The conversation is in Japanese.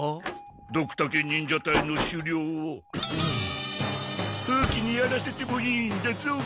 ドクタケ忍者隊の首領を風鬼にやらせてもいいんだぞ。